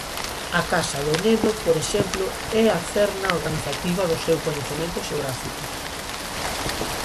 A casa do neno, por exemplo, é a cerna organizativa do seu coñecemento xeográfico.